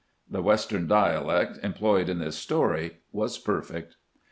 " The Western dia lect employed in this story was perfect.